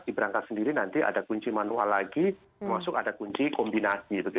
diberangkat sendiri nanti ada kunci manual lagi masuk ada kunci kombinasi